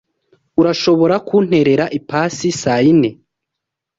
Urashobora kunterera ipasi saa yine?